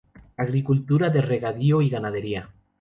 Agricultura de regadío y ganadería.